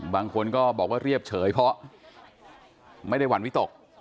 บางคนก็บอกว่าเรียบเฉยเพราะไม่ได้หวั่นวิตก